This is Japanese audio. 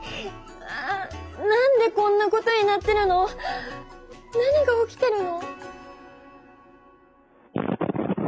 あ何でこんなことになってるの？何が起きてるの？